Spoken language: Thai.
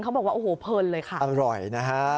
เขาบอกว่าโอ้โหเพลินเลยค่ะอร่อยนะฮะ